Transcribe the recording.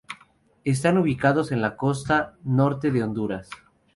Están ubicados en la costa norte de Honduras.